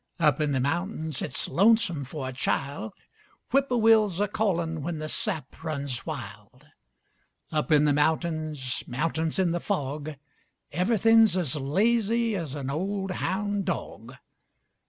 Up in the mountains, it's lonesome for a child, (Whippoorwills a callin' when the sap runs wild.) Up in the mountains, mountains in the fog, Everythin's as lazy as an old houn' dog.